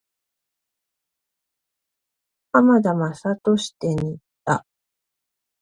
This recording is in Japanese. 浜田雅功展に行った。